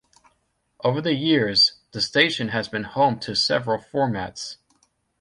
Over the years, the station has been home to several formats.